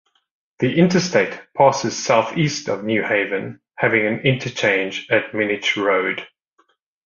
The interstate passes southeast of New Haven having an interchange at Minnich Road.